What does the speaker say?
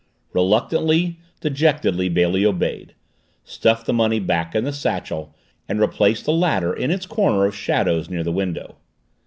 Reluctantly, dejectedly, Bailey obeyed stuffed the money back in the satchel and replaced the latter in its corner of shadows near the window.